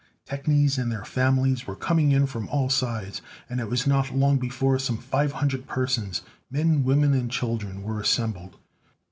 Technies and their families were coming in from all sides, and it was not long before some five hundred persons, men, women and children, were assembled.